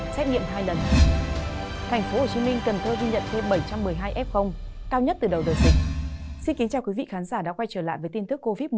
xin kính chào quý vị khán giả đã quay trở lại với tin tức covid một mươi chín